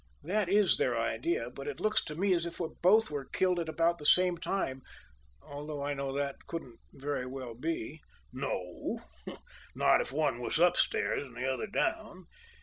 "That is their idea, but it looks to me as if both were killed at about the same time, although I know that couldn't very well be." "No, not if one was upstairs and the other down.